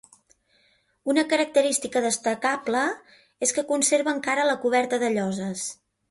Una característica destacable és que conserva encara la coberta de lloses.